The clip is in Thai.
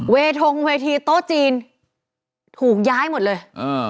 ทงเวทีโต๊ะจีนถูกย้ายหมดเลยอ่า